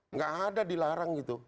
enggak ada dilarang gitu